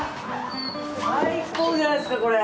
最高じゃないですか、これ。